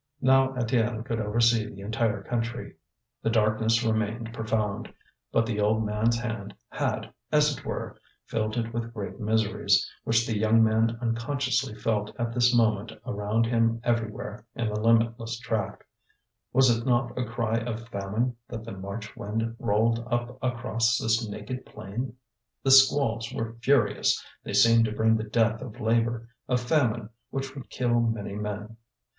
Now Étienne could oversee the entire country. The darkness remained profound, but the old man's hand had, as it were, filled it with great miseries, which the young man unconsciously felt at this moment around him everywhere in the limitless tract. Was it not a cry of famine that the March wind rolled up across this naked plain? The squalls were furious: they seemed to bring the death of labour, a famine which would kill many men.